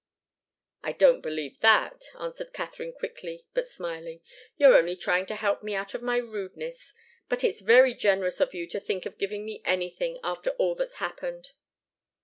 "I don't believe that," answered Katharine, quickly, but smiling. "You're only trying to help me out of my rudeness. But it's very generous of you to think of giving me anything, after all that's happened."